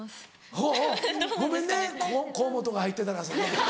おぉおぉごめんね河本が入ってたら。